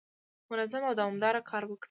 منظم او دوامداره کار وکړئ.